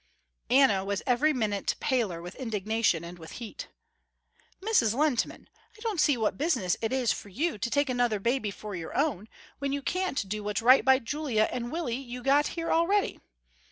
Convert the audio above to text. Anna was every minute paler with indignation and with heat. "Mrs. Lehntman, I don't see what business it is for you to take another baby for your own, when you can't do what's right by Julia and Willie you got here already.